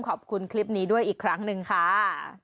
ขอบคุณคลิปนี้ด้วยอีกครั้งหนึ่งค่ะ